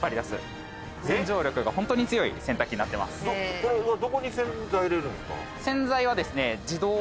これはどこに洗剤入れるんですか？